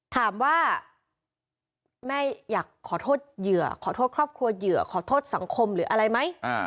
ถามว่าแม่อยากขอโทษเหยื่อขอโทษครอบครัวเหยื่อขอโทษสังคมหรืออะไรไหม